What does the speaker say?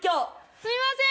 すいません。